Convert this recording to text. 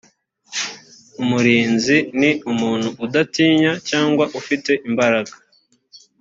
umurinzi ni umuntu udatinya cyangwa ufite imbaraga